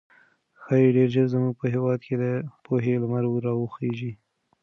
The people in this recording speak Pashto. ښايي ډېر ژر زموږ په هېواد کې د پوهې لمر راوخېږي.